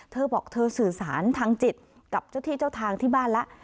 เธอบอกเธอสื่อสารทางจิตกับเจ้าที่เจ้าทางที่บ้านแล้ว